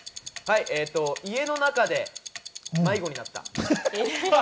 家の中で迷子になった。